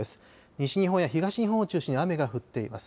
西日本や東日本を中心に雨が降っています。